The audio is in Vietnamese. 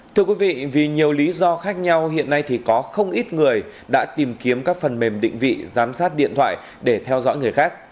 thưa quý vị vì nhiều lý do khác nhau hiện nay thì có không ít người đã tìm kiếm các phần mềm định vị giám sát điện thoại để theo dõi người khác